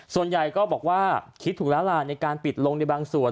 ส่วนใหญ่ก็บอกว่าคิดถูกแล้วล่ะในการปิดลงในบางส่วน